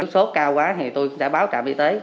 sốt cao quá thì tôi đã báo trạm y tế